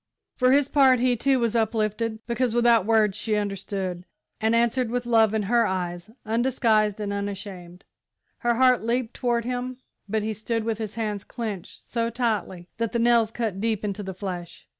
For his part he, too, was uplifted, because without words she understood, and answered with love in her eyes. Undisguised and unashamed, her heart leaped toward him, but he stood with his hands clenched so tightly that the nails cut deep into the flesh.